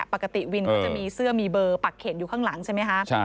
ปกติวินเขาจะมีเสื้อมีเบอร์ปักเขนอยู่ข้างหลังใช่ไหมคะ